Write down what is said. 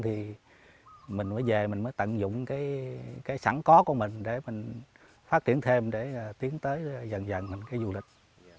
thì mình mới về mình mới tận dụng cái sẵn có của mình để mình phát triển thêm để tiến tới dần dần mình cái du lịch